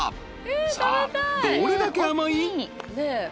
［さあどれだけ甘い？］